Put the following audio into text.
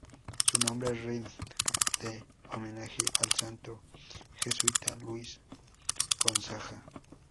Su nombre rinde homenaje al santo jesuita Luis Gonzaga.